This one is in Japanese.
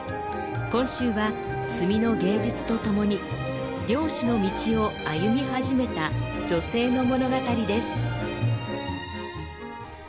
今週は墨の芸術とともに漁師の道を歩み始めた女性の物語です。